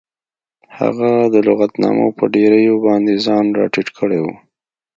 هغه د لغتنامو په ډیریو باندې ځان راټیټ کړی و